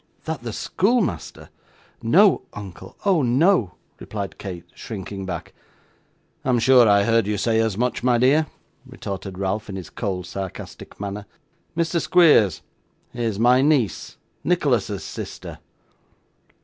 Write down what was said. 'That the schoolmaster! No, uncle. Oh no!' replied Kate, shrinking back. 'I'm sure I heard you say as much, my dear,' retorted Ralph in his cold sarcastic manner. 'Mr. Squeers, here's my niece: Nicholas's sister!